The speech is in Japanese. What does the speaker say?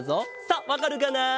さあわかるかな？